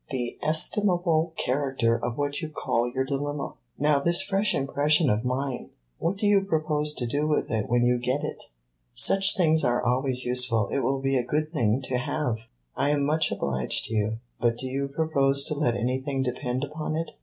the estimable character of what you call your dilemma. Now this fresh impression of mine what do you propose to do with it when you get it?" "Such things are always useful. It will be a good thing to have." "I am much obliged to you; but do you propose to let anything depend upon it?